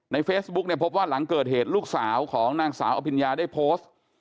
เฟซบุ๊กเนี่ยพบว่าหลังเกิดเหตุลูกสาวของนางสาวอภิญญาได้โพสต์